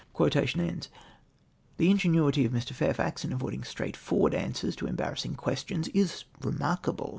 Tlie ingenuity of Mi . Fairfax in avoiding straight forward answers to embarrassing questions is remark aljle.